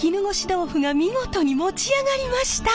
豆腐が見事に持ち上がりました。